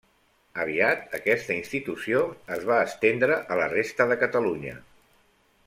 Aviat, aquesta institució es va estendre a la resta de Catalunya.